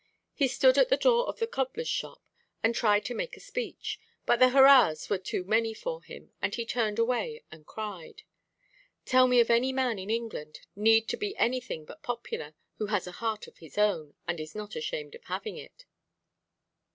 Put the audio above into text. He stood at the door of the cobblerʼs shop, and tried to make a speech; but the hurrahs were too many for him, and he turned away and cried. Tell me that any man in England need be anything but popular who has a heart of his own, and is not ashamed of having it!